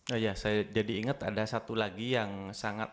saya jadi ingat ada satu lagi yang sangat